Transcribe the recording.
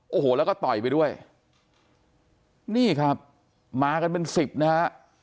โอ้โหแล้วก็ต่อยไปด้วยนี่ครับมากันเป็นสิบนะฮะ